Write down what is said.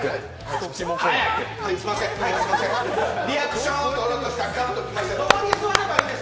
リアクションをとろうとしたらガッときたんで。